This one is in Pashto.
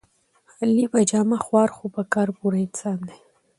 علي په جامه خوار خو په کار پوره انسان دی.